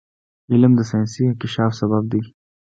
علم د ساینسي انکشاف سبب دی.